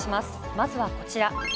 まずはこちら。